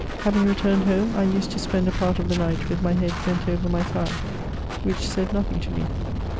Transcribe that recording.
Having returned home, I used to spend a part of the night with my head bent over my fire, which said nothing to me.